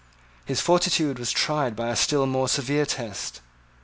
His fortitude was tried by a still more severe test.